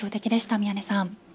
宮根さん。